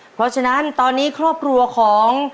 เพราะฉะนั้นตอนนี้ครอบครัวของ